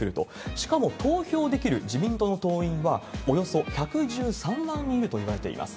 しかも、投票できる自民党の党員は、およそ１１３万人いるといわれています。